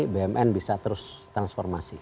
bumn bisa terus transformasi